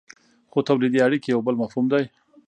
خو تولیدي اړیکې یو بل مفهوم دی.